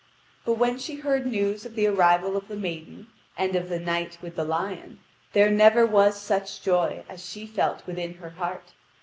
But when she heard news of the arrival of the maiden and of the Knight with the Lion. There never was such joy as she felt within her heart.